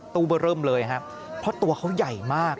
ตู้เบอร์เริ่มเลยครับเพราะตัวเขาใหญ่มาก